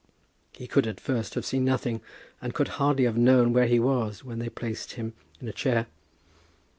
He could at first have seen nothing, and could hardly have known where he was when they placed him in a chair.